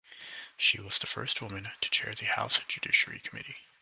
She was the first woman to chair the House Judiciary Committee.